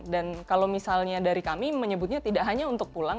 dan kalau misalnya dari kami menyebutnya tidak hanya untuk pulang